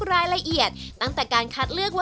คนที่มาทานอย่างเงี้ยควรจะมาทานแบบคนเดียวนะครับ